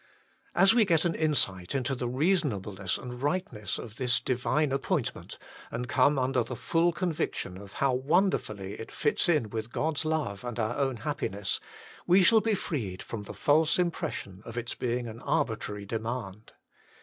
As we get an insight into the reasonableness and Tightness of this divine appointment, and come under the full conviction of 18 THE MINISTRY OF INTERCESSION how wonderfully it fits in with God s love and our own happiness, we shall be freed from the false impression of its being an arbitrary demand.